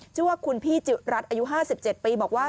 เจ้าของคุณพี่รัฐอายุ๕๗ปีบอกว่า